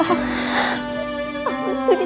aku sudah berhenti